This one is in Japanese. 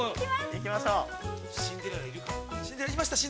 行きましょう。